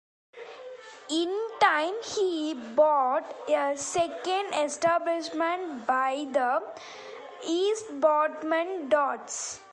In time, he bought a second establishment by the East Boston docks.